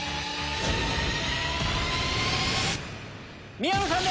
宮野さん